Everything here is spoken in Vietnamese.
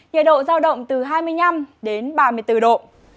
nhiệt độ giao động từ hai mươi năm đến ba mươi bốn độ